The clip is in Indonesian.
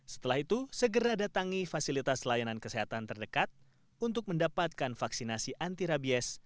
setelah itu segera datangi fasilitas layanan kesehatan terdekat untuk mendapatkan vaksinasi anti rabies